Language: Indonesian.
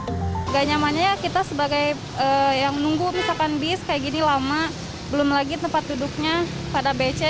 tidak nyamannya kita sebagai yang nunggu misalkan bis kayak gini lama belum lagi tempat duduknya pada becek